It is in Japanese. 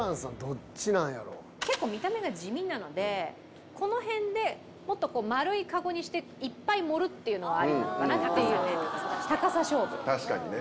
結構、見た目が地味なので、地味なので、このへんで、もっと丸い籠にしていっぱい盛るっていうのはありなのかな、確かにね。